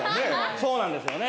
そうなんですよね。